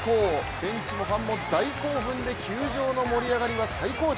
現地のファンも大興奮で球場の盛り上がりは最高潮。